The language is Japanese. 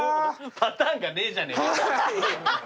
パターンがねえじゃねぇか。